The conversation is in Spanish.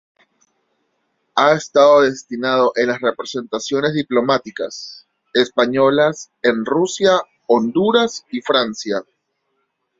Ha estado destinado en las representaciones diplomáticas españolas en Rusia, Honduras y Francia.